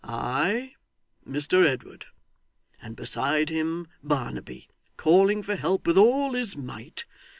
'Ay Mr Edward. And beside him, Barnaby, calling for help with all his might.